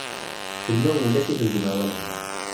Kennu ulac-it deg umawal-nneɣ.